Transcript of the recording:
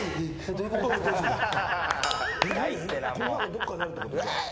どっかにあるってこと？